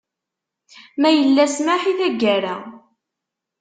Ma yella smaḥ i taggara.